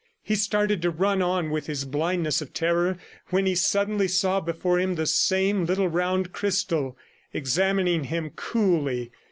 He started to run on with the blindness of terror, when he suddenly saw before him the same little round crystal, examining him coolly.